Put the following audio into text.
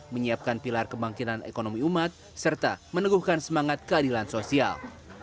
menyiapkan pilar kebangkitan ekonomi umat serta meneguhkan semangat keadilan sosial